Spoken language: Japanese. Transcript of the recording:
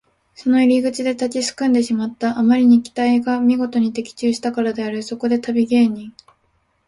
その入り口で立ちすくんでしまった。あまりに期待がみごとに的中したからである。そこで旅芸人